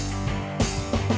gak ada apa apa